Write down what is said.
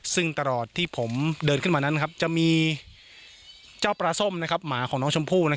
ซึ่งตลอดที่ผมเดินขึ้นมานั้นจะมีเจ้าปลาส้มหมาของน้องชมพู่